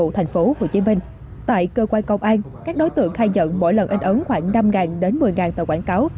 tại cơ quan công an các đối tượng khai nhận mỗi lần in ấn khoảng năm một mươi tờ quảng cáo